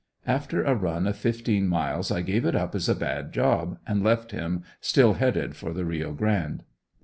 After a run of fifteen miles I gave it up as a bad job and left him still headed for the Rio Grande.